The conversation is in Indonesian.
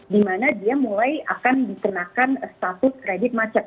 dimana dia mulai akan dikenakan status kredit macet